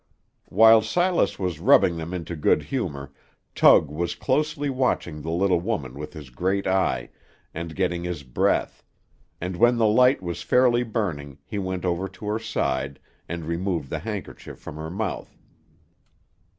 While Silas was rubbing them into good humor, Tug was closely watching the little woman with his great eye, and getting his breath; and when the light was fairly burning, he went over to her side, and removed the handkerchief from her mouth.